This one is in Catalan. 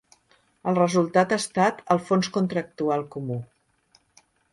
El resultat ha estat el fons contractual comú.